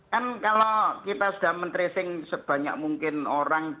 kan kalau kita sudah men tracing sebanyak mungkin orang